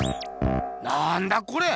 なんだこれ！